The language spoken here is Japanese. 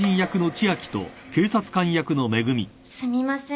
すみません。